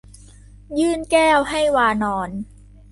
ยื่นแก้วให้วานร